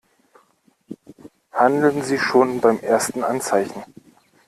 Handeln Sie schon beim ersten Anzeichen!